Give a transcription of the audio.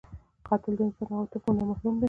قاتل د انساني عاطفو نه محروم دی